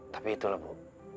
tapi itulah bu